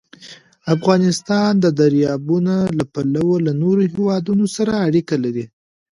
افغانستان د دریابونه له پلوه له نورو هېوادونو سره اړیکې لري.